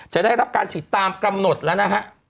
จะได้รับการฉีดตามกำหนดแล้วนะฮะ